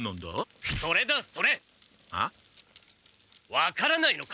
分からないのか！？